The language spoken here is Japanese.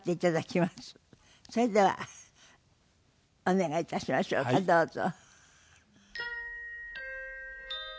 それではお願いいたしましょうかどうぞ。